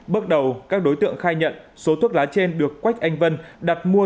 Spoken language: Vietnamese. bước đầu các đối tượng khai nhận số thuốc lá trên được quách anh vân đặt mua